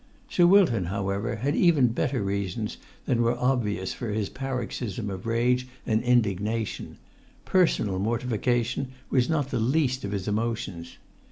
Sir Wilton, however, had even better reasons than were obvious for his paroxysm of rage and indignation; personal mortification was not the least of his emotions.